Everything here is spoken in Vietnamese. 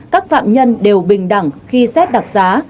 các phạm nhân đều bình đẳng khi xét đặc giá